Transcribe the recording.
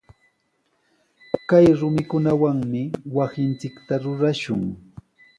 Kay rumikunawami wasinchikta rurashun.